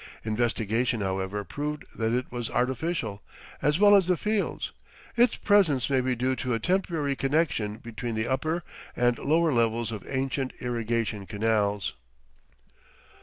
Investigation, however, proved that it was artificial, as well as the fields. Its presence may be due to a temporary connection between the upper and lower levels of ancient irrigation canals.